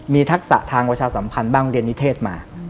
มีทักษะทางประชาสัมพันธ์บ้างเรียนนิเทศมา